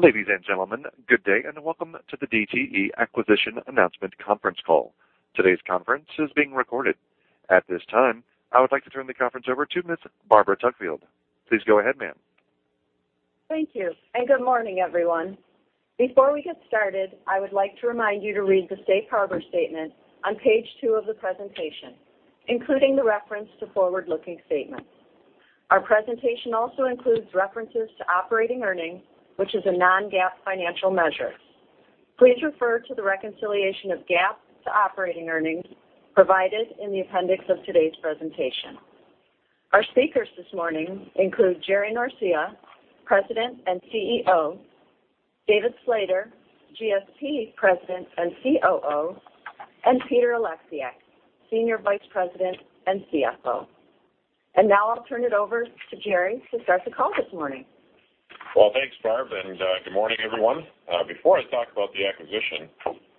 Ladies and gentlemen, good day, and welcome to the DTE Acquisition Announcement Conference Call. Today's conference is being recorded. At this time, I would like to turn the conference over to Ms. Barbara Tuckfield. Please go ahead, ma'am. Thank you, and good morning, everyone. Before we get started, I would like to remind you to read the Safe Harbor statement on page two of the presentation, including the reference to forward-looking statements. Our presentation also includes references to operating earnings, which is a non-GAAP financial measure. Please refer to the reconciliation of GAAP to operating earnings provided in the appendix of today's presentation. Our speakers this morning include Jerry Norcia, President and CEO; David Slater, GSP President and COO; and Peter Oleksiak, Senior Vice President and CFO. Now I'll turn it over to Jerry to start the call this morning. Well, thanks, Barb, and good morning, everyone. Before I talk about the acquisition,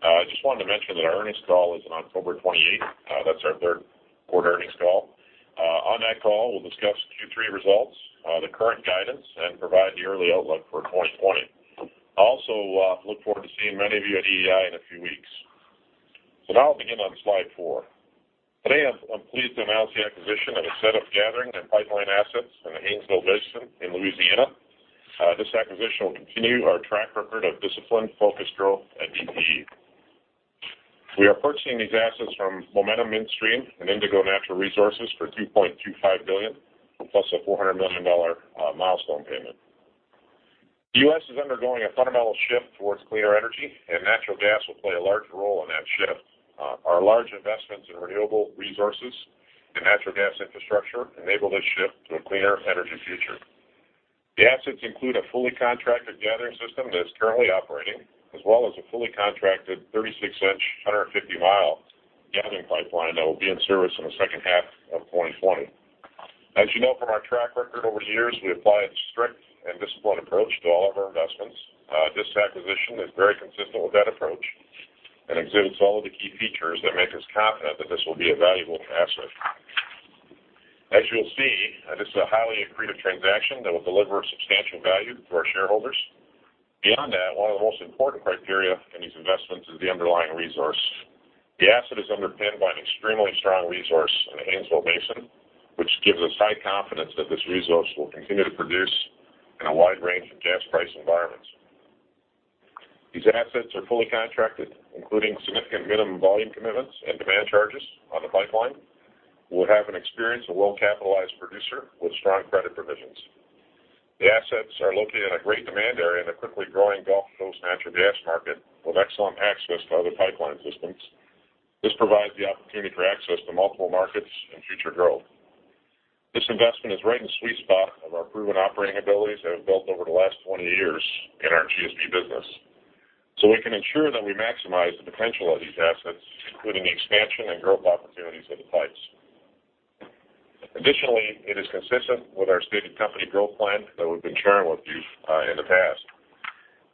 I just wanted to mention that our earnings call is on October 28th. That's our third-quarter earnings call. On that call, we'll discuss Q3 results, the current guidance, and provide the early outlook for 2020. I also look forward to seeing many of you at EEI in a few weeks. Now I'll begin on slide four. Today, I'm pleased to announce the acquisition of a set of gathering and pipeline assets in the Haynesville Basin in Louisiana. This acquisition will continue our track record of disciplined, focused growth at DTE. We are purchasing these assets from Momentum Midstream and Indigo Natural Resources for $2.25 billion, plus a $400 million milestone payment. The U.S. is undergoing a fundamental shift towards cleaner energy, and natural gas will play a large role in that shift. Our large investments in renewable resources and natural gas infrastructure enable this shift to a cleaner energy future. The assets include a fully contracted gathering system that is currently operating, as well as a fully contracted 36-inch, 150-mile gathering pipeline that will be in service in the second half of 2020. As you know from our track record over the years, we apply a strict and disciplined approach to all of our investments. This acquisition is very consistent with that approach and exhibits all of the key features that make us confident that this will be a valuable asset. As you'll see, this is a highly accretive transaction that will deliver substantial value to our shareholders. Beyond that, one of the most important criteria in these investments is the underlying resource. The asset is underpinned by an extremely strong resource in the Haynesville Basin, which gives us high confidence that this resource will continue to produce in a wide range of gas price environments. These assets are fully contracted, including significant Minimum Volume Commitments and demand charges on the pipeline. We'll have an experienced and well-capitalized producer with strong credit provisions. The assets are located in a great demand area in the quickly growing Gulf Coast natural gas market, with excellent access to other pipeline systems. This provides the opportunity for access to multiple markets and future growth. This investment is right in the sweet spot of our proven operating abilities that we've built over the last 20 years in our GSP business. We can ensure that we maximize the potential of these assets, including the expansion and growth opportunities of the pipes. Additionally, it is consistent with our stated company growth plan that we've been sharing with you in the past.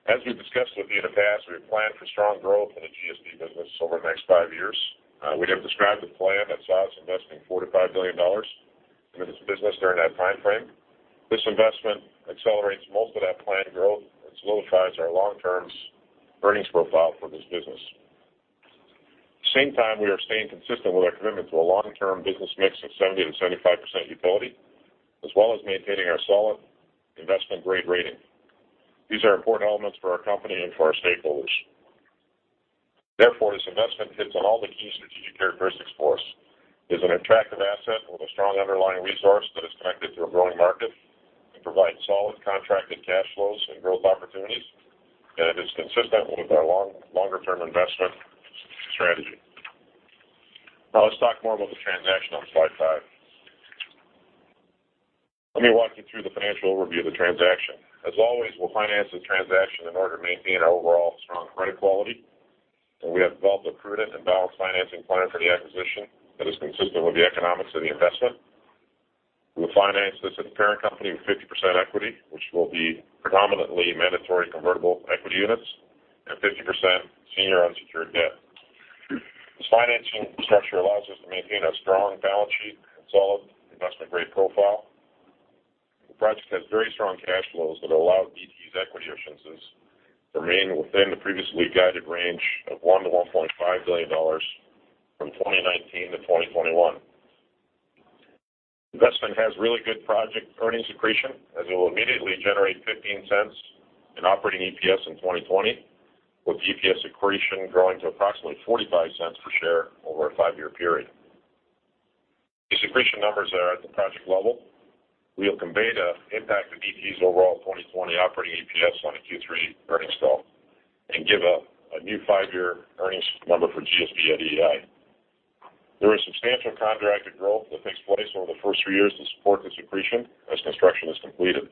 As we've discussed with you in the past, we have planned for strong growth in the GSP business over the next five years. We have described a plan that saw us investing $4 billion-$5 billion in this business during that timeframe. This investment accelerates most of that planned growth and solidifies our long-term earnings profile for this business. At the same time, we are staying consistent with our commitment to a long-term business mix of 70%-75% utility, as well as maintaining our solid investment-grade rating. These are important elements for our company and for our stakeholders. Therefore, this investment hits on all the key strategic characteristics for us. It is an attractive asset with a strong underlying resource that is connected to a growing market. It provides solid contracted cash flows and growth opportunities, and it is consistent with our longer-term investment strategy. Let's talk more about the transaction on slide five. Let me walk you through the financial overview of the transaction. As always, we'll finance the transaction in order to maintain our overall strong credit quality, and we have developed a prudent and balanced financing plan for the acquisition that is consistent with the economics of the investment. We will finance this at the parent company with 50% equity, which will be predominantly mandatory convertible equity units, and 50% senior unsecured debt. This financing structure allows us to maintain a strong balance sheet and solid investment-grade profile. The project has very strong cash flows that allow DTE's equity efficiencies to remain within the previously guided range of $1 billion-$1.5 billion from 2019 to 2021. Investment has really good project earnings accretion, as it will immediately generate $0.15 in operating EPS in 2020, with EPS accretion growing to approximately $0.45 per share over a five-year period. These accretion numbers are at the project level. We'll convey the impact of DTE's overall 2020 operating EPS on the Q3 earnings call and give a new five-year earnings number for GSP at EEI. There is substantial contracted growth that takes place over the first three years to support this accretion as construction is completed.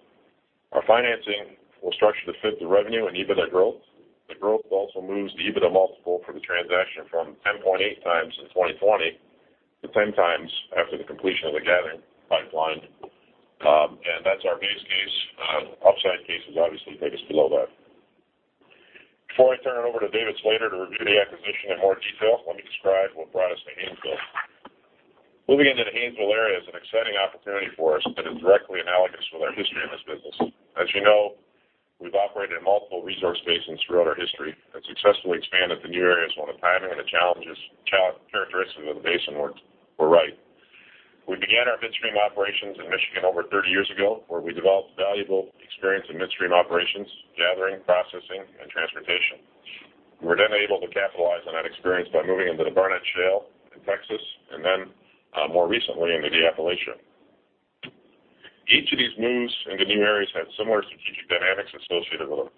Our financing will structure to fit the revenue and EBITDA growth. The growth also moves the EBITDA multiple for the transaction from 10.8 times in 2020 to 10 times after the completion of the gathering pipeline, and that's our base case. Upside case is obviously take us below that. Before I turn it over to David Slater to review the acquisition in more detail, let me describe what brought us to Haynesville. Moving into the Haynesville area is an exciting opportunity for us that is directly analogous with our history in this business. As you know, we've operated in multiple resource basins throughout our history and successfully expanded to new areas when the timing and the challenges characteristic of the basin were right. We began our midstream operations in Michigan over 30 years ago, where we developed valuable experience in midstream operations, gathering, processing, and transportation. We were then able to capitalize on that experience by moving into the Barnett Shale in Texas, and then more recently into the Appalachian. Each of these moves into new areas had similar strategic dynamics associated with them.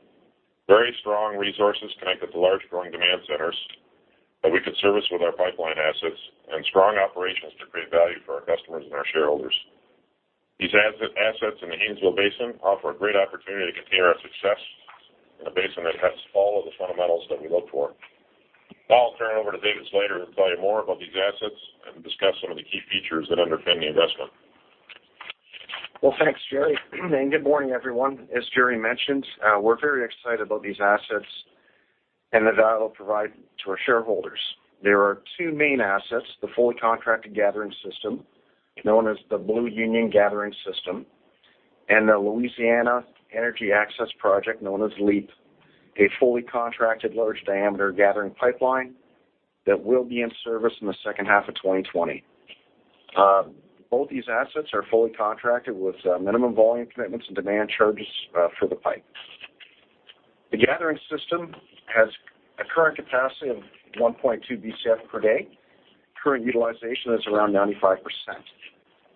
Very strong resources connected to large growing demand centers that we could service with our pipeline assets, and strong operations to create value for our customers and our shareholders. These assets in the Haynesville Basin offer a great opportunity to continue our success in a basin that has all of the fundamentals that we look for. I'll turn it over to David Slater, who'll tell you more about these assets and discuss some of the key features that underpin the investment. Thanks, Jerry. Good morning, everyone. As Jerry mentioned, we are very excited about these assets and the value it will provide to our shareholders. There are two main assets: the fully contracted gathering system, known as the Blue Union Gathering System, and the Louisiana Energy Access Project, known as LEAP, a fully contracted large-diameter gathering pipeline that will be in service in the second half of 2020. Both these assets are fully contracted with minimum volume commitments and demand charges for the pipe. The gathering system has a current capacity of 1.2 Bcf per day. Current utilization is around 95%.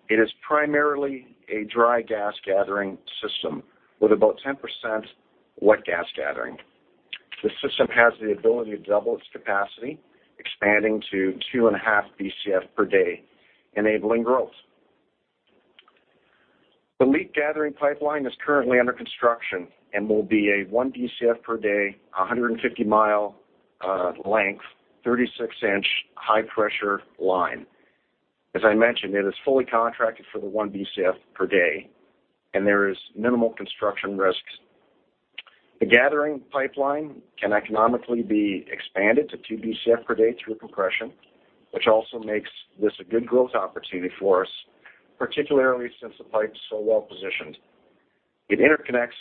It is primarily a dry gas gathering system with about 10% wet gas gathering. The system has the ability to double its capacity, expanding to 2.5 Bcf per day, enabling growth. The LEAP gathering pipeline is currently under construction and will be a one Bcf per day, 150-mile length, 36-inch high-pressure line. As I mentioned, it is fully contracted for the one Bcf per day, there is minimal construction risks. The gathering pipeline can economically be expanded to two Bcf per day through compression, which also makes this a good growth opportunity for us, particularly since the pipe's so well-positioned. It interconnects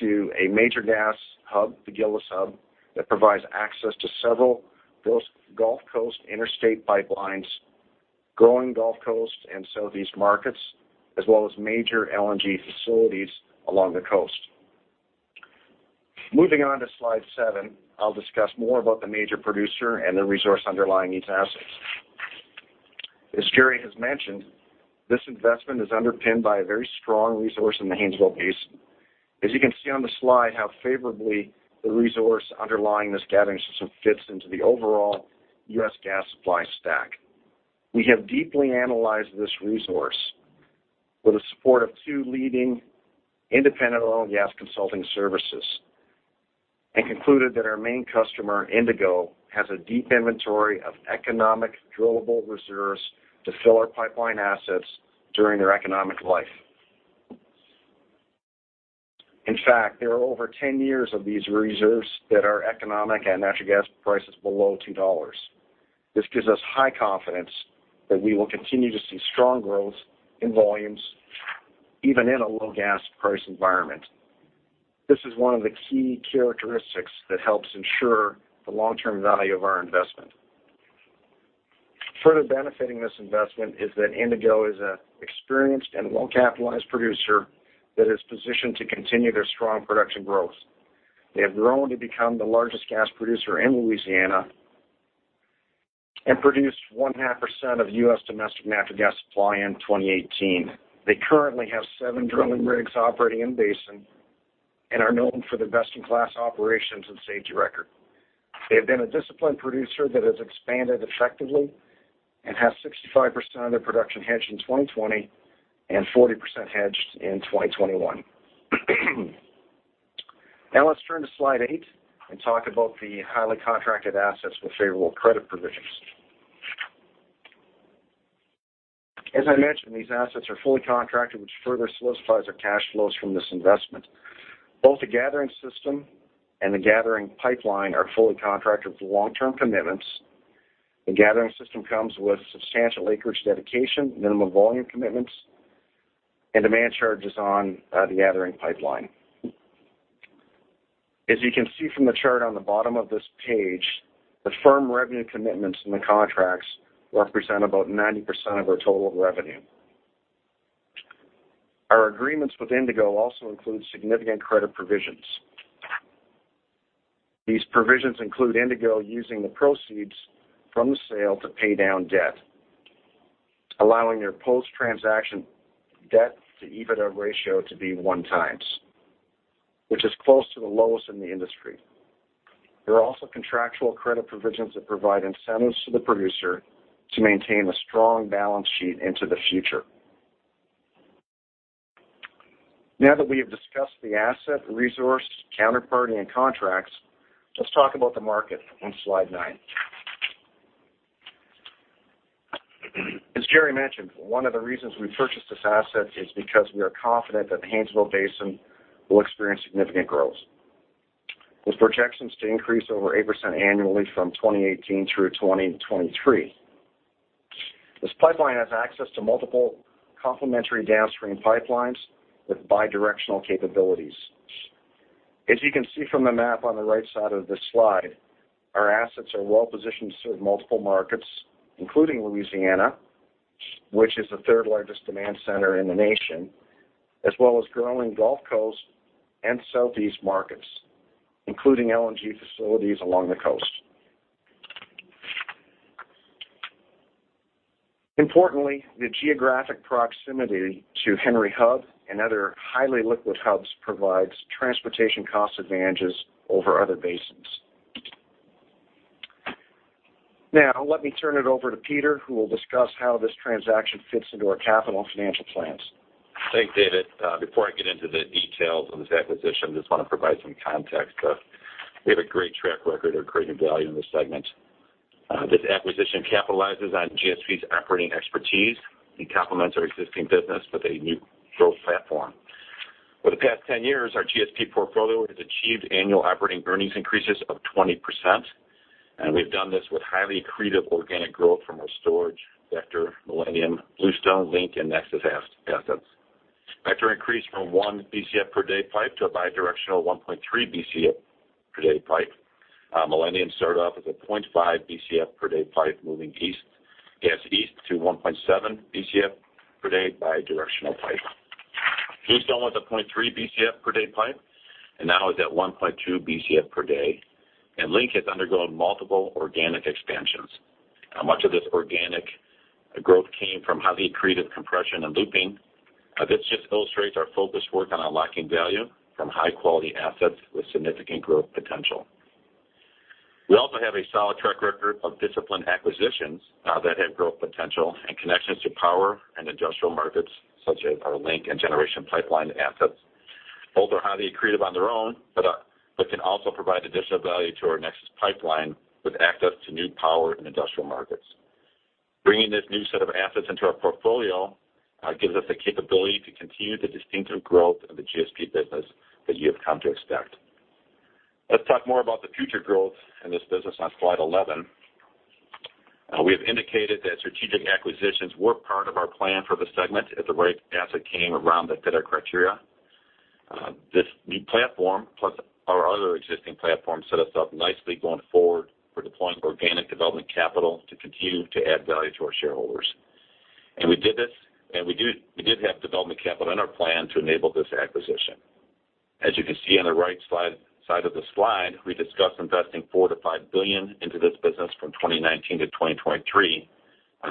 to a major gas hub, the Gillis Hub, that provides access to several Gulf Coast interstate pipelines, growing Gulf Coast and Southeast markets, as well as major LNG facilities along the coast. Moving on to slide seven, I'll discuss more about the major producer and the resource underlying these assets. As Jerry has mentioned, this investment is underpinned by a very strong resource in the Haynesville Basin. As you can see on the slide how favorably the resource underlying this gathering system fits into the overall U.S. gas supply stack. We have deeply analyzed this resource with the support of two leading independent oil and gas consulting services and concluded that our main customer, Indigo, has a deep inventory of economic drillable reserves to fill our pipeline assets during their economic life. In fact, there are over 10 years of these reserves that are economic at natural gas prices below $2. This gives us high confidence that we will continue to see strong growth in volumes, even in a low gas price environment. This is one of the key characteristics that helps ensure the long-term value of our investment. Further benefiting this investment is that Indigo is an experienced and well-capitalized producer that is positioned to continue their strong production growth. They have grown to become the largest gas producer in Louisiana and produced 1.5% of U.S. domestic natural gas supply in 2018. They currently have seven drilling rigs operating in-basin and are known for their best-in-class operations and safety record. They have been a disciplined producer that has expanded effectively and has 65% of their production hedged in 2020 and 40% hedged in 2021. Let's turn to slide eight and talk about the highly contracted assets with favorable credit provisions. As I mentioned, these assets are fully contracted, which further solidifies our cash flows from this investment. Both the gathering system and the gathering pipeline are fully contracted with long-term commitments. The gathering system comes with substantial acreage dedication, Minimum Volume Commitments, and demand charges on the gathering pipeline. As you can see from the chart on the bottom of this page, the firm revenue commitments in the contracts represent about 90% of our total revenue. Our agreements with Indigo also include significant credit provisions. These provisions include Indigo using the proceeds from the sale to pay down debt, allowing their post-transaction debt-to-EBITDA ratio to be one times, which is close to the lowest in the industry. There are also contractual credit provisions that provide incentives to the producer to maintain a strong balance sheet into the future. Now that we have discussed the asset, resource, counterparty, and contracts, let's talk about the market on slide nine. As Jerry mentioned, one of the reasons we purchased this asset is because we are confident that the Haynesville Basin will experience significant growth. With projections to increase over 8% annually from 2018 through 2023. This pipeline has access to multiple complementary downstream pipelines with bi-directional capabilities. As you can see from the map on the right side of this slide, our assets are well-positioned to serve multiple markets, including Louisiana, which is the third-largest demand center in the nation, as well as growing Gulf Coast and Southeast markets, including LNG facilities along the coast. Importantly, the geographic proximity to Henry Hub and other highly liquid hubs provides transportation cost advantages over other basins. Let me turn it over to Peter, who will discuss how this transaction fits into our capital and financial plans. Thanks, David. Before I get into the details of this acquisition, I just want to provide some context. We have a great track record of creating value in this segment. This acquisition capitalizes on GSP's operating expertise and complements our existing business with a new growth platform. For the past 10 years, our GSP portfolio has achieved annual operating earnings increases of 20%, and we've done this with highly accretive organic growth from our Storage, Vector, Millennium, Bluestone, Link, and NEXUS assets. Vector increased from 1 Bcf per day pipe to a bi-directional 1.3 Bcf per day pipe. Millennium started off as a 0.5 Bcf per day pipe moving gas east to 1.7 Bcf per day bi-directional pipe. Bluestone was a 0.3 Bcf per day pipe, and now is at 1.2 Bcf per day. Link has undergone multiple organic expansions. Much of this organic growth came from highly accretive compression and looping. This just illustrates our focused work on unlocking value from high-quality assets with significant growth potential. We also have a solid track record of disciplined acquisitions that have growth potential and connections to power and industrial markets such as our Link and Generation pipeline assets. Both are highly accretive on their own, but can also provide additional value to our NEXUS pipeline with access to new power and industrial markets. Bringing this new set of assets into our portfolio gives us the capability to continue the distinctive growth of the GSP business that you have come to expect. Let's talk more about the future growth in this business on slide 11. We have indicated that strategic acquisitions were part of our plan for the segment if the right asset came around that fit our criteria. This new platform, plus our other existing platforms, set us up nicely going forward for deploying organic development capital to continue to add value to our shareholders. We did have development capital in our plan to enable this acquisition. As you can see on the right side of the slide, we discussed investing $4 billion to $5 billion into this business from 2019 to 2023.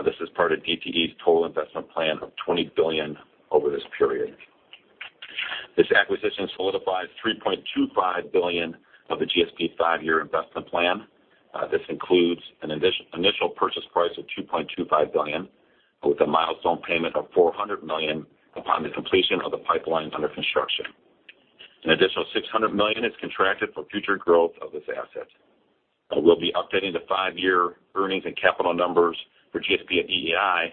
This is part of DTE's total investment plan of $20 billion over this period. This acquisition solidifies $3.25 billion of the GSP five-year investment plan. This includes an initial purchase price of $2.25 billion, with a milestone payment of $400 million upon the completion of the pipeline under construction. An additional $600 million is contracted for future growth of this asset. We'll be updating the five-year earnings and capital numbers for GSP at EEI,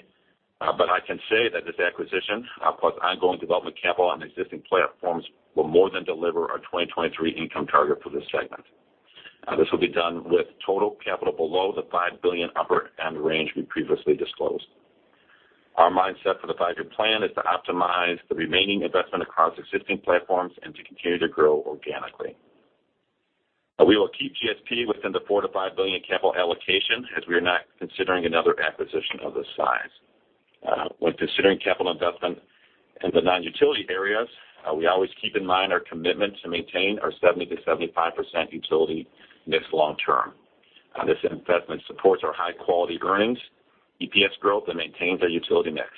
but I can say that this acquisition, plus ongoing development capital on the existing platforms, will more than deliver our 2023 income target for this segment. This will be done with total capital below the $5 billion upper end range we previously disclosed. Our mindset for the five-year plan is to optimize the remaining investment across existing platforms and to continue to grow organically. We will keep GSP within the $4 billion to $5 billion capital allocation, as we are not considering another acquisition of this size. When considering capital investment in the non-utility areas, we always keep in mind our commitment to maintain our 70%-75% utility mix long term. This investment supports our high-quality earnings, EPS growth, and maintains our utility mix.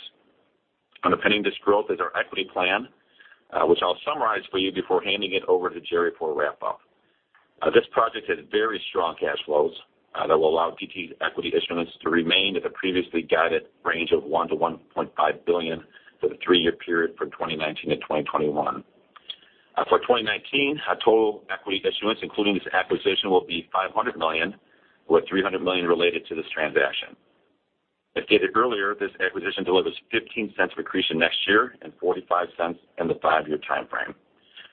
Underpinning this growth is our equity plan, which I'll summarize for you before handing it over to Jerry for a wrap-up. This project has very strong cash flows that will allow DTE's equity issuance to remain at the previously guided range of $1 billion-$1.5 billion for the three-year period from 2019 to 2021. For 2019, our total equity issuance, including this acquisition, will be $500 million, with $300 million related to this transaction. As stated earlier, this acquisition delivers $0.15 accretion next year and $0.45 in the five-year timeframe.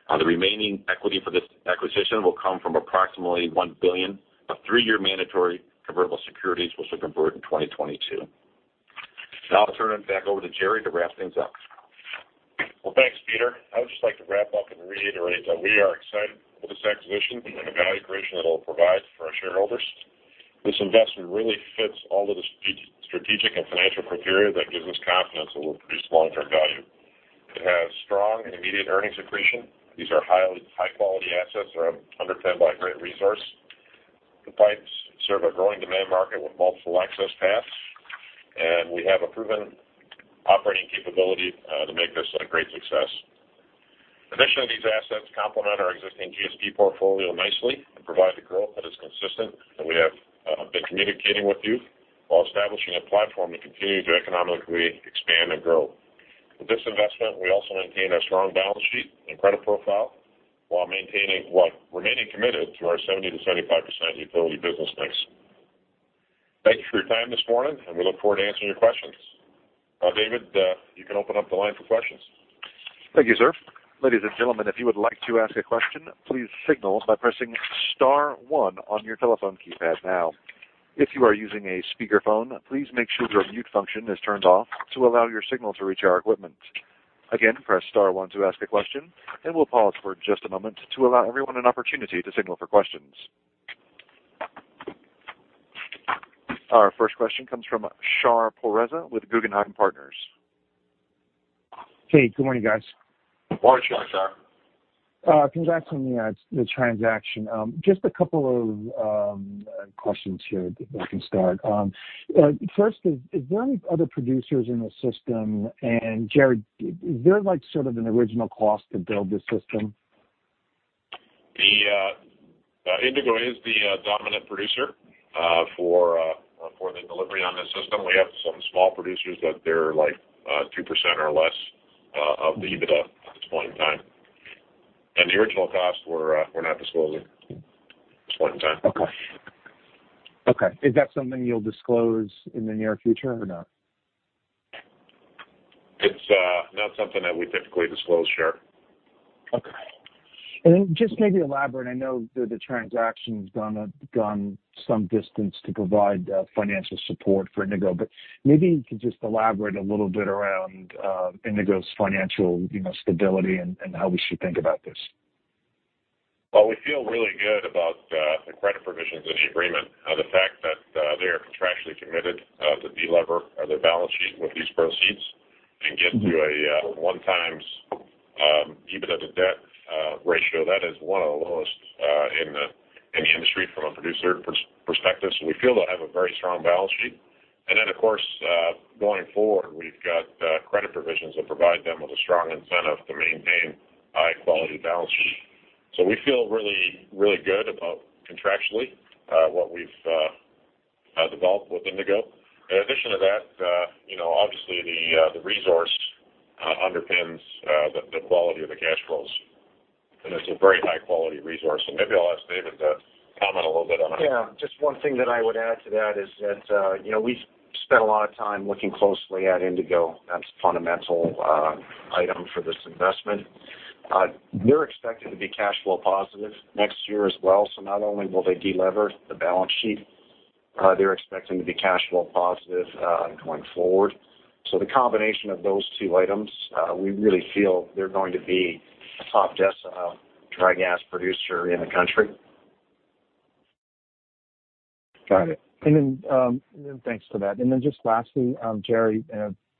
The remaining equity for this acquisition will come from approximately $1 billion of three-year mandatory convertible securities, which will convert in 2022. Now I'll turn it back over to Jerry to wrap things up. Well, thanks, Peter. I would just like to wrap up and reiterate that we are excited for this acquisition and the value creation it'll provide for our shareholders. This investment really fits all of the strategic and financial criteria that gives us confidence it will increase long-term value. It has strong and immediate earnings accretion. These are high-quality assets that are underpinned by a great resource. The pipes serve a growing demand market with multiple access paths, and we have a proven operating capability to make this a great success. Additionally, these assets complement our existing GSP portfolio nicely and provide the growth that is consistent that we have been communicating with you while establishing a platform to continue to economically expand and grow. With this investment, we also maintain our strong balance sheet and credit profile while remaining committed to our 70%-75% utility business mix. Thank you for your time this morning, and we look forward to answering your questions. David, you can open up the line for questions. Thank you, sir. Ladies and gentlemen, if you would like to ask a question, please signal by pressing star one on your telephone keypad now. If you are using a speakerphone, please make sure your mute function is turned off to allow your signal to reach our equipment. Again, press star one to ask a question. We'll pause for just a moment to allow everyone an opportunity to signal for questions. Our first question comes from Shar Pourreza with Guggenheim Partners. Hey, good morning, guys. Morning, Shar. Congrats on the transaction. Just a couple of questions here that we can start. First is there any other producers in the system? Jerry, is there an original cost to build this system? Indigo is the dominant producer for the delivery on this system. We have some small producers, but they're 2% or less of the EBITDA at this point in time. The original cost, we're not disclosing at this point in time. Okay. Is that something you'll disclose in the near future or no? It's not something that we typically disclose, Shar. Okay. Just maybe elaborate, I know the transaction's gone some distance to provide financial support for Indigo, but maybe you could just elaborate a little bit around Indigo's financial stability and how we should think about this. We feel really good about the credit provisions in the agreement. The fact that they are contractually committed to delever their balance sheet with these proceeds and get to a one times EBITDA to debt ratio. That is one of the lowest in the industry from a producer perspective. We feel they'll have a very strong balance sheet. Then, of course, going forward, we've got credit provisions that provide them with a strong incentive to maintain high-quality balance sheet. We feel really good about contractually what we've developed with Indigo. In addition to that, obviously the resource underpins the quality of the cash flows, and it's a very high-quality resource. Maybe I'll ask David to comment a little bit on it. Just one thing that I would add to that is that we spent a lot of time looking closely at Indigo. That's a fundamental item for this investment. They're expected to be cash flow positive next year as well. Not only will they delever the balance sheet, they're expecting to be cash flow positive going forward. The combination of those two items, we really feel they're going to be a top-decile dry gas producer in the country. Got it. Thanks for that. Just lastly, Jerry,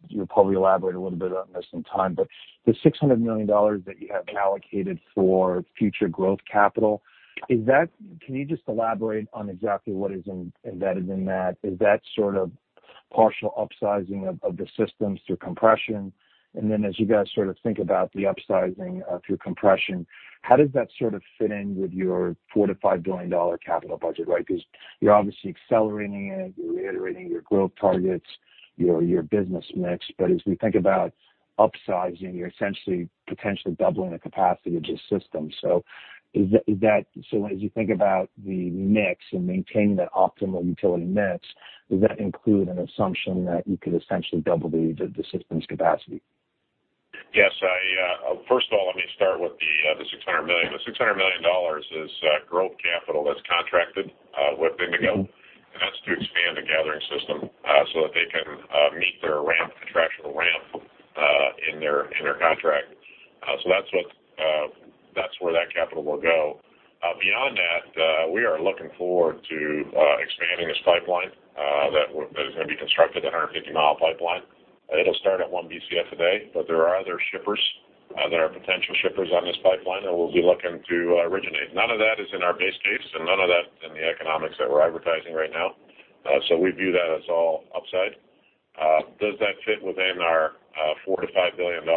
you'll probably elaborate a little bit on this in time, but the $600 million that you have allocated for future growth capital, can you just elaborate on exactly what is embedded in that? Is that partial upsizing of the systems through compression? As you guys think about the upsizing through compression, how does that fit in with your $4 billion-$5 billion capital budget, right? You're obviously accelerating it, you're reiterating your growth targets, your business mix. As we think about upsizing, you're essentially potentially doubling the capacity of this system. As you think about the mix and maintaining that optimal utility mix, does that include an assumption that you could essentially double the system's capacity? Yes. First of all, let me start with the $600 million. The $600 million is growth capital that's contracted with Indigo. That's to expand the gathering system so that they can meet their contractual ramp in their contract. That's where that capital will go. Beyond that, we are looking forward to expanding this pipeline that is going to be constructed, the 150-mile pipeline. It'll start at one BCF a day. There are other shippers that are potential shippers on this pipeline that we'll be looking to originate. None of that is in our base case. None of that is in the economics that we're advertising right now. We view that as all upside. Does that fit within our $4 billion-$5 billion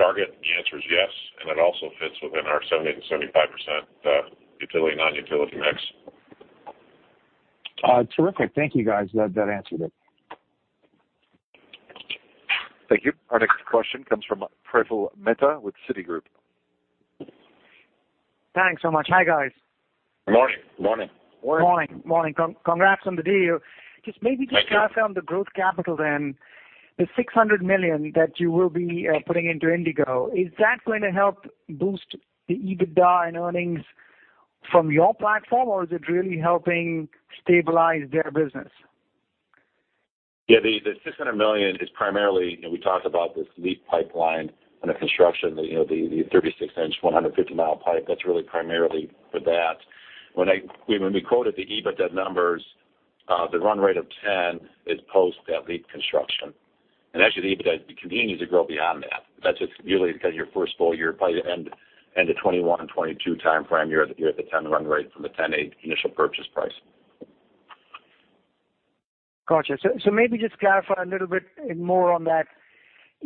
target? The answer is yes. It also fits within our 70%-75% utility, non-utility mix. Terrific. Thank you, guys. That answered it. Thank you. Our next question comes from Praful Mehta with Citigroup. Thanks so much. Hi, guys. Morning. Morning. Morning. Congrats on the deal. Thank you. just clarify on the growth capital then. The $600 million that you will be putting into Indigo, is that going to help boost the EBITDA and earnings from your platform, or is it really helping stabilize their business? Yeah, the $600 million is primarily, we talked about this LEAP pipeline and the construction, the 36-inch, 150-mile pipe. That's really primarily for that. When we quoted the EBITDA numbers, the run rate of 10 is post that LEAP construction. Actually, the EBITDA continues to grow beyond that. That's just merely because your first full year, probably end of 2021 and 2022 timeframe, you're at the 10 run rate from the 10:8 initial purchase price. Got you. Maybe just clarify a little bit more on that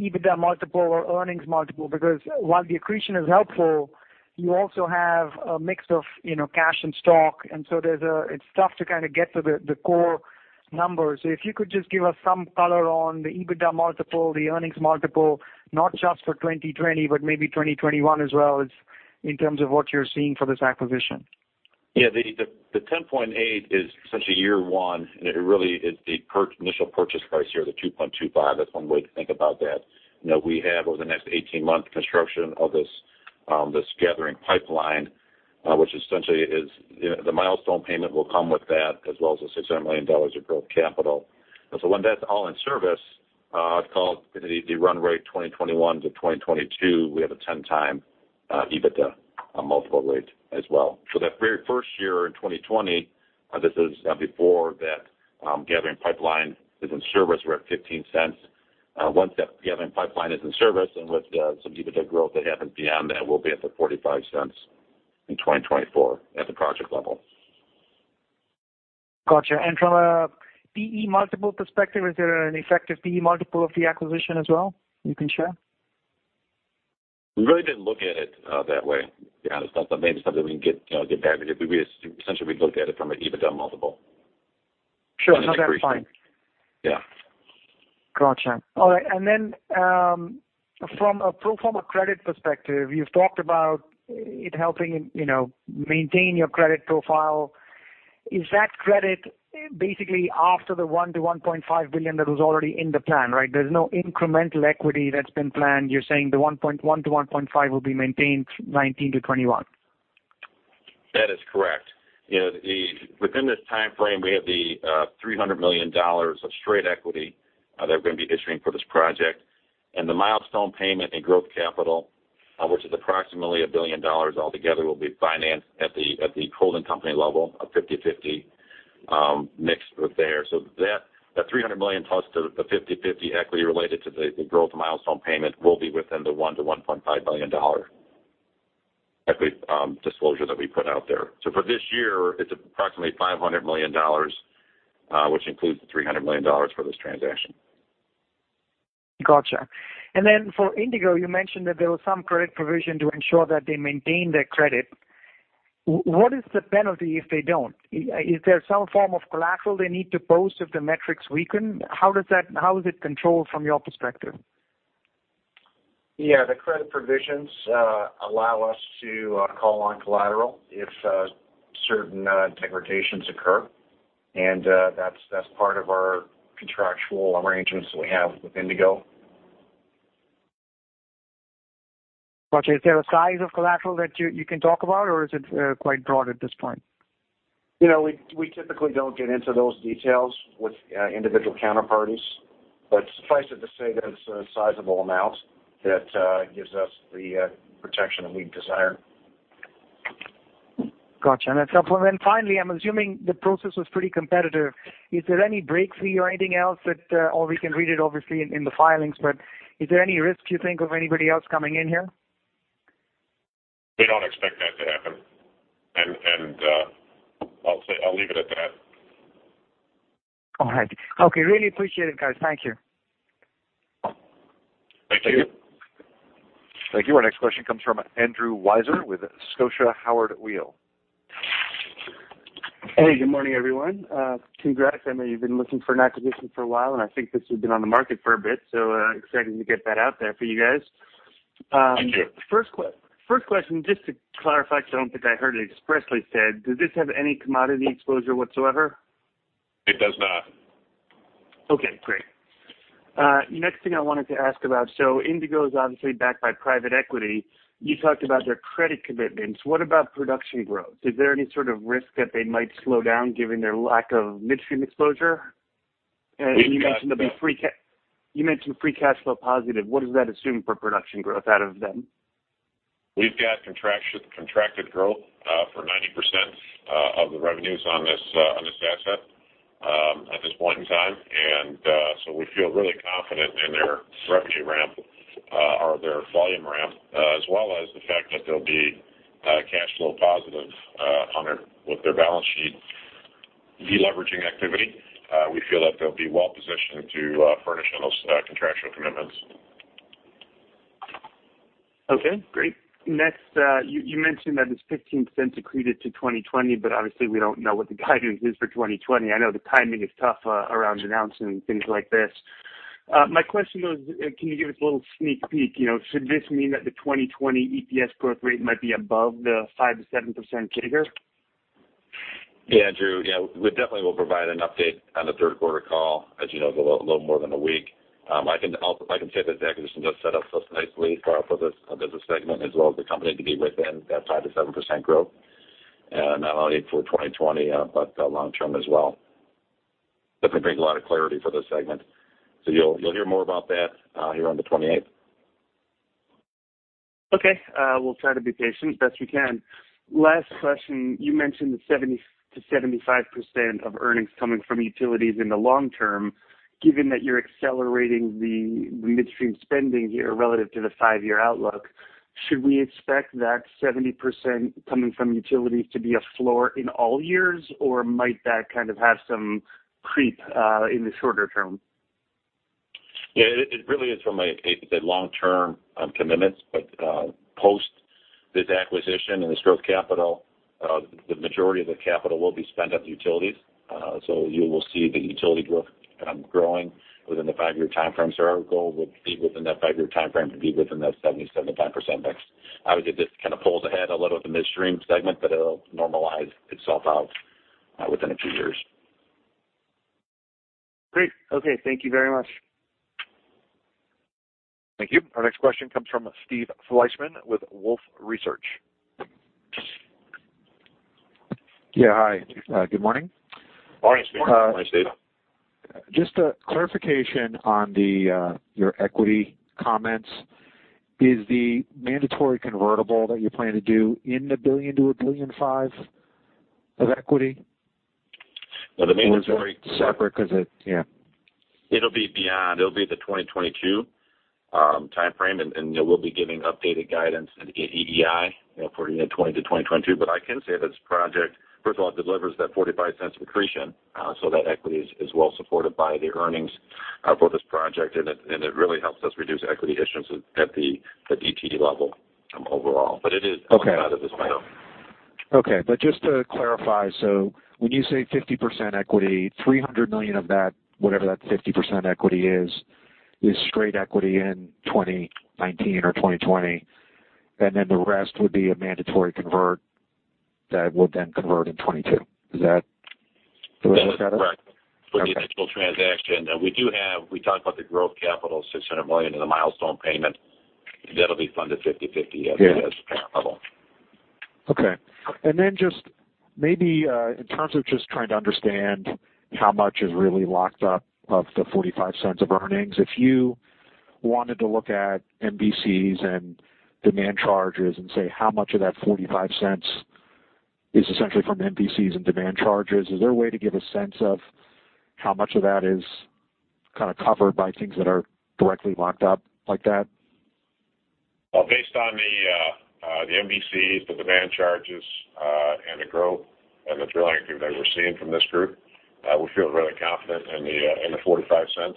EBITDA multiple or earnings multiple, because while the accretion is helpful, you also have a mix of cash and stock, it's tough to get to the core numbers. If you could just give us some color on the EBITDA multiple, the earnings multiple, not just for 2020, but maybe 2021 as well, in terms of what you're seeing for this acquisition. The $10.8 is essentially year one, it really is the initial purchase price here of the $2.25. That's one way to think about that. We have, over the next 18 months, construction of this gathering pipeline, which essentially is the milestone payment will come with that, as well as the $600 million of growth capital. When that's all in service, I'd call the run rate 2021 to 2022, we have a 10x EBITDA multiple rate as well. That very first year in 2020, this is before that gathering pipeline is in service. We're at $0.15. Once that gathering pipeline is in service and with some EBITDA growth that happens beyond that, we'll be up to $0.45 in 2024 at the project level. Got you. From a P/E multiple perspective, is there an effective P/E multiple of the acquisition as well you can share? We really didn't look at it that way, to be honest. That's maybe something we can get back. Essentially, we looked at it from an EBITDA multiple. Sure. No, that's fine. Yeah. Got you. All right. From a pro forma credit perspective, you've talked about it helping maintain your credit profile. Is that credit basically after the $1 billion-$1.5 billion that was already in the plan, right? There's no incremental equity that's been planned. You're saying the 1.1-1.5 will be maintained 2019 to 2021. That is correct. Within this timeframe, we have the $300 million of straight equity that we're going to be issuing for this project, and the milestone payment in growth capital, which is approximately $1 billion altogether, will be financed at the holding company level, a 50/50 mix there. That $300 million plus the 50/50 equity related to the growth milestone payment will be within the $1 billion-$1.5 billion equity disclosure that we put out there. For this year, it's approximately $500 million, which includes the $300 million for this transaction. Got you. For Indigo, you mentioned that there was some credit provision to ensure that they maintain their credit. What is the penalty if they don't? Is there some form of collateral they need to post if the metrics weaken? How is it controlled from your perspective? Yeah, the credit provisions allow us to call on collateral if certain degradations occur, and that's part of our contractual arrangements that we have with Indigo. Got you. Is there a size of collateral that you can talk about, or is it quite broad at this point? We typically don't get into those details with individual counterparties, but suffice it to say that it's a sizable amount that gives us the protection that we desire. Got you. That's helpful. Then finally, I'm assuming the process was pretty competitive. Is there any breakthrough or anything else or we can read it obviously in the filings, but is there any risk, you think, of anybody else coming in here? We don't expect that to happen. I'll leave it at that. All right. Okay, really appreciate it, guys. Thank you. Thank you. Thank you. Thank you. Our next question comes from Andrew Weisel with Scotiabank Howard Weil. Hey, good morning, everyone. Congrats. I know you've been looking for an acquisition for a while, and I think this has been on the market for a bit, so excited to get that out there for you guys. Thank you. First question, just to clarify because I don't think I heard it expressly said, does this have any commodity exposure whatsoever? It does not. Okay, great. Next thing I wanted to ask about, so Indigo is obviously backed by private equity. You talked about their credit commitments. What about production growth? Is there any sort of risk that they might slow down given their lack of midstream exposure? We've got- You mentioned free cash flow positive. What does that assume for production growth out of them? We've got contracted growth for 90% of the revenues on this asset at this point in time. We feel really confident in their revenue ramp or their volume ramp, as well as the fact that they'll be cash flow positive with their balance sheet de-leveraging activity. We feel that they'll be well-positioned to furnish on those contractual commitments. Okay, great. Next, you mentioned that it's $0.15 accreted to 2020, but obviously we don't know what the guidance is for 2020. I know the timing is tough around announcing things like this. My question was, can you give us a little sneak peek? Should this mean that the 2020 EPS growth rate might be above the 5%-7% figure? Yeah, Andrew. We definitely will provide an update on the third quarter call. As you know, it's a little more than a week. I can say that the acquisition does set up nicely for this business segment as well as the company to be within that five to 7% growth, not only for 2020, but long-term as well. Definitely brings a lot of clarity for this segment. You'll hear more about that here on the 28th. Okay. We'll try to be patient best we can. Last question. You mentioned the 70%-75% of earnings coming from utilities in the long term. Given that you're accelerating the midstream spending here relative to the five-year outlook? Should we expect that 70% coming from utilities to be a floor in all years? Might that have some creep in the shorter term? It really is from a long-term commitment. Post this acquisition and this growth capital, the majority of the capital will be spent on utilities. You will see the utility growth growing within the five-year timeframe. Our goal would be within that five-year timeframe to be within that 70%-75% mix. Obviously, this kind of pulls ahead a little with the midstream segment, but it'll normalize itself out within a few years. Great. Okay. Thank you very much. Thank you. Our next question comes from Steve Fleishman with Wolfe Research. Yeah, hi. Good morning. Morning, Steve. Morning. Hi, Steve. Just a clarification on your equity comments. Is the mandatory convertible that you plan to do in the $1 billion-$1.5 billion of equity? No, the mandatory. Is it separate? it. It'll be beyond. It'll be the 2022 timeframe, and we'll be giving updated guidance at the EEI, for the end of 2020 to 2022. I can say this project, first of all, it delivers that $0.45 accretion. That equity is well-supported by the earnings for this project, and it really helps us reduce equity issuance at the DTE level overall. Okay out at this point. Okay. Just to clarify, when you say 50% equity, $300 million of that, whatever that 50% equity is straight equity in 2019 or 2020, and then the rest would be a mandatory convert that would then convert in 2022. Is that the way to look at it? That is correct. Okay. For the initial transaction. We talked about the growth capital, $600 million in the milestone payment. That'll be funded 50/50 as it is. Yeah at level. Okay. Then just maybe in terms of just trying to understand how much is really locked up of the $0.45 of earnings. If you wanted to look at MVCs and demand charges and say how much of that $0.45 is essentially from MVCs and demand charges, is there a way to give a sense of how much of that is kind of covered by things that are directly locked up like that? Based on the MVCs, the demand charges, and the growth and the drilling activity that we're seeing from this group, we feel really confident in the $0.45.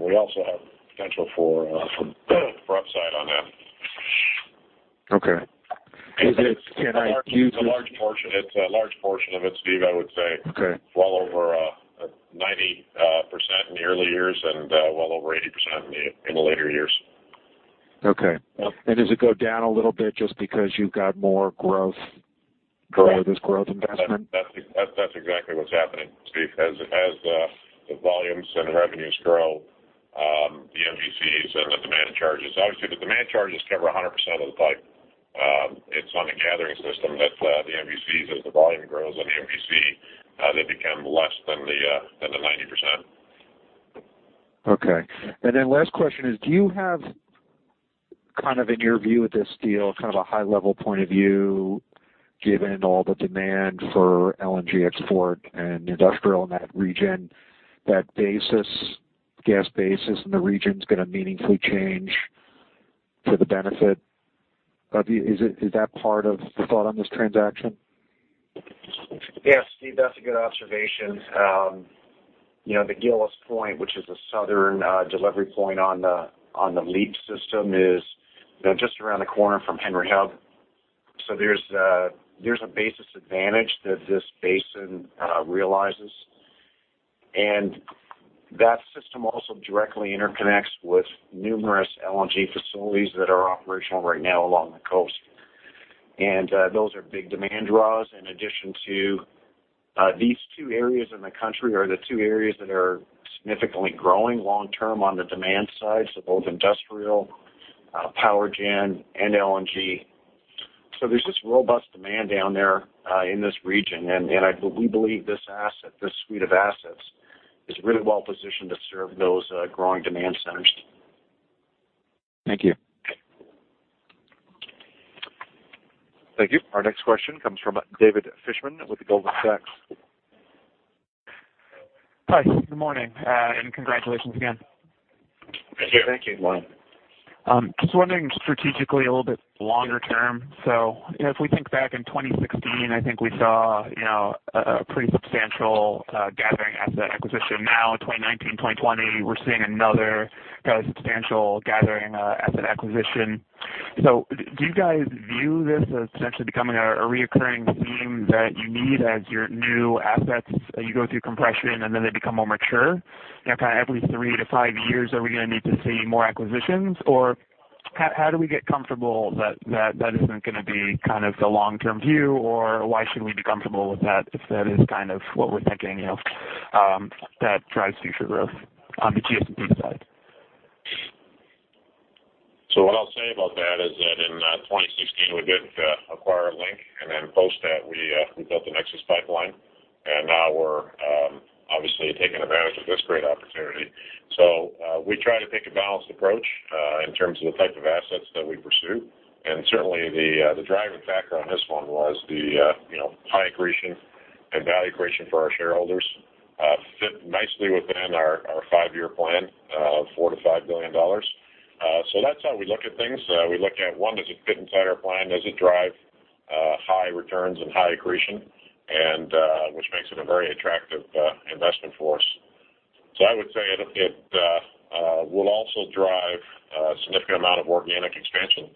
We also have potential for upside on that. Okay. It's a large portion of it, Steve, I would say. Okay. Well over 90% in the early years and well over 80% in the later years. Okay. Does it go down a little bit just because you've got more growth? Correct for this growth investment? That's exactly what's happening, Steve. As the volumes and revenues grow, the MVCs and the demand charges. Obviously, the demand charges cover 100% of the pipe. It's on the gathering system that the MVCs, as the volume grows on the MVC, they become less than the 90%. Okay. Last question is, do you have kind of in your view with this deal, kind of a high-level point of view, given all the demand for LNG export and industrial in that region, that gas basis in the region's going to meaningfully change for the benefit of you? Is that part of the thought on this transaction? Steve, that's a good observation. The Gillis Point, which is a southern delivery point on the LEAP system, is just around the corner from Henry Hub. There's a basis advantage that this basin realizes, and that system also directly interconnects with numerous LNG facilities that are operational right now along the coast. Those are big demand draws. In addition to these two areas in the country are the two areas that are significantly growing long-term on the demand side. Both industrial power gen and LNG. There's this robust demand down there in this region, and we believe this asset, this suite of assets, is really well-positioned to serve those growing demand centers. Thank you. Okay. Thank you. Our next question comes from David Fishman with Goldman Sachs. Hi. Good morning, and congratulations again. Thank you. Thank you. Good morning. Just wondering strategically, a little bit longer term. If we think back in 2016, I think we saw a pretty substantial gathering asset acquisition. Now in 2019, 2020, we're seeing another kind of substantial gathering asset acquisition. Do you guys view this as essentially becoming a reoccurring theme that you need as your new assets? You go through compression, and then they become more mature? Every three to five years, are we going to need to see more acquisitions? How do we get comfortable that isn't going to be kind of the long-term view, or why should we be comfortable with that if that is kind of what we're thinking of that drives future growth on the GSP side? What I'll say about that is that in 2016, we did acquire Link, and then post that, we built the NEXUS Pipeline, and now we're obviously taking advantage of this great opportunity. We try to take a balanced approach In terms of the type of assets that we pursue, and certainly the driving factor on this one was the high accretion and value accretion for our shareholders fit nicely within our five-year plan of $4 billion-$5 billion. That's how we look at things. We look at one, does it fit inside our plan? Does it drive high returns and high accretion? Which makes it a very attractive investment for us. I would say it will also drive a significant amount of organic expansion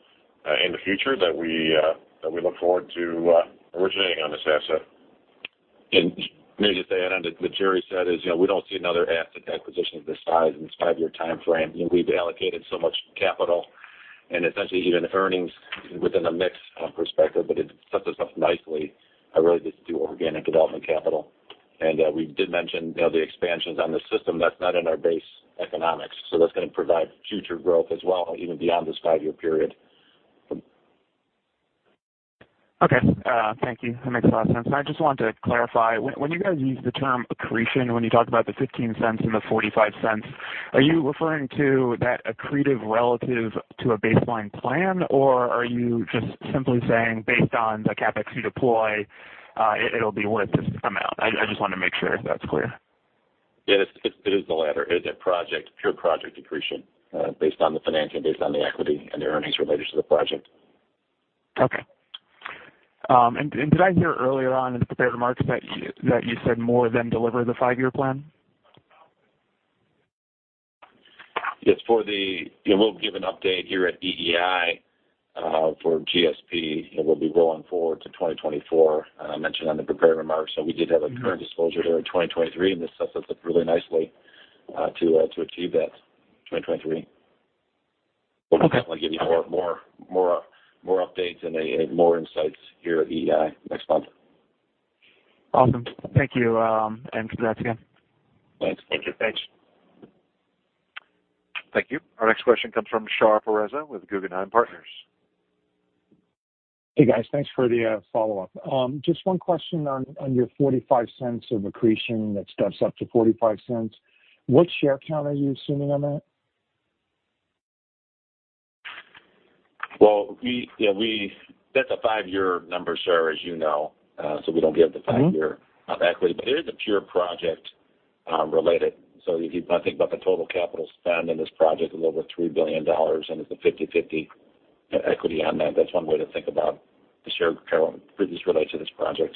in the future that we look forward to originating on this asset. Maybe to add onto what Jerry said is, we don't see another asset acquisition of this size in this five-year timeframe. We've allocated so much capital and essentially even earnings within the mix perspective, it sets us up nicely, really, just to do organic development capital. We did mention the expansions on the system. That's not in our base economics. That's going to provide future growth as well, even beyond this five-year period. Okay. Thank you. That makes a lot of sense. I just wanted to clarify, when you guys use the term accretion, when you talk about the $0.15 and the $0.45, are you referring to that accretive relative to a baseline plan, or are you just simply saying based on the CapEx you deploy, it'll be worth this amount? I just want to make sure that's clear. It is the latter. It is a pure project accretion based on the financing, based on the equity and the earnings related to the project. Okay. Did I hear earlier on in the prepared remarks that you said more than deliver the five-year plan? Yes, we'll give an update here at EEI for GSP, and we'll be rolling forward to 2024. I mentioned on the prepared remarks that we did have a current disclosure here in 2023, and this sets us up really nicely to achieve that 2023. We'll definitely give you more updates and more insights here at EEI next month. Awesome. Thank you. Congrats again. Thanks. Thank you. Thanks. Thank you. Our next question comes from Shar Pourreza with Guggenheim Partners. Hey, guys. Thanks for the follow-up. Just one question on your $0.45 of accretion that steps up to $0.45. What share count are you assuming on that? That's a five-year number, Shar, as you know. We don't give the five-year of equity. It is a pure project related. If you think about the total capital spend on this project of over $3 billion, and it's a 50/50 equity on that's one way to think about the share count just related to this project.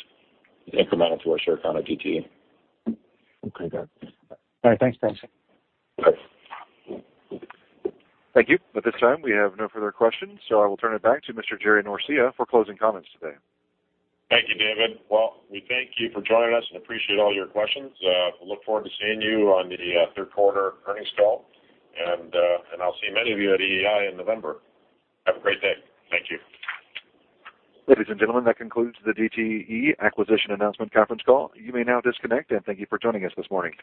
It's incremental to our share count at DTE. Okay, got it. All right, thanks. Thanks. Thank you. At this time, we have no further questions, so I will turn it back to Mr. Jerry Norcia for closing comments today. Thank you, David. Well, we thank you for joining us and appreciate all your questions. We look forward to seeing you on the third quarter earnings call. I'll see many of you at EEI in November. Have a great day. Thank you. Ladies and gentlemen, that concludes the DTE acquisition announcement conference call. You may now disconnect, and thank you for joining us this morning.